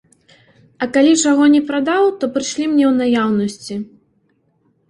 А калі чаго не прадаў, то прышлі мне ў наяўнасці.